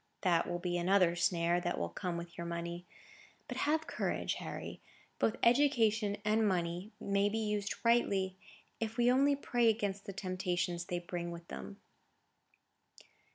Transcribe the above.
That will be another snare that will come with your money. But have courage, Harry. Both education and money may be used rightly, if we only pray against the temptations they bring with them."